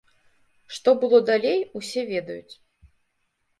Што было далей, усе ведаюць.